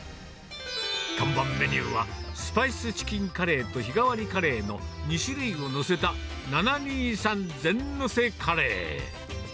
看板メニューは、スパイスチキンカレーと日替わりカレーの２種類を載せた７２３全のせカレー。